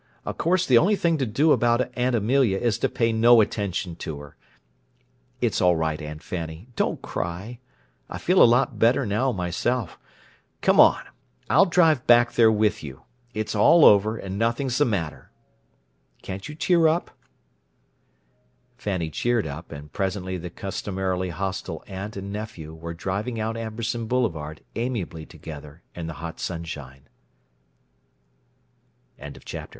Of course the only thing to do about Aunt Amelia is to pay no attention to her. It's all right, Aunt Fanny. Don't cry. I feel a lot better now, myself. Come on; I'll drive back there with you. It's all over, and nothing's the matter. Can't you cheer up?" Fanny cheered up; and presently the customarily hostile aunt and nephew were driving out Amberson Boulevard amiably together in the hot sunshine.